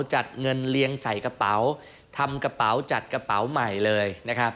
จัดเงินเลี้ยงใส่กระเป๋าทำกระเป๋าจัดกระเป๋าใหม่เลยนะครับ